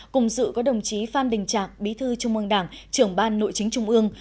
cùng dự có đồng chí phan đình trạc bí thư trung ương đảng trưởng ban nội chính trung ương